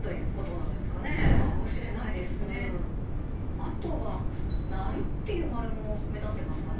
あとは「鳴る」っていう円も目立ってますかね？